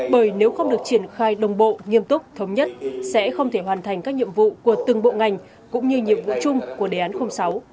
bởi nếu không được triển khai đồng bộ nghiêm túc thống nhất sẽ không thể hoàn thành các nhiệm vụ của từng bộ ngành cũng như nhiệm vụ chung của đề án sáu